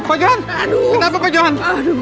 kenapa pak johan